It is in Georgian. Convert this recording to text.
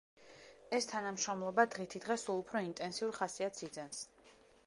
ეს თანამშრომლობა დღითიდღე სულ უფრო ინტენსიურ ხასიათს იძენს.